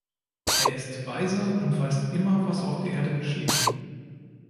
Er ist weise und weiß immer was auf der Erde geschieht.